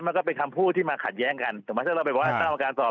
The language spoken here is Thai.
มันก็เป็นคำพูดที่มาขัดแย้งกันสมมุติถ้าเราไปบอกว่าตั้งกรรมการสอบ